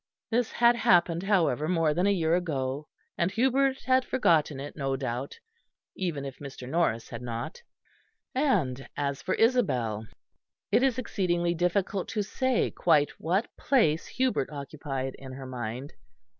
This had happened, however, more than a year ago; and Hubert had forgotten it, no doubt, even if Mr. Norris had not. And as for Isabel. It is exceedingly difficult to say quite what place Hubert occupied in her mind.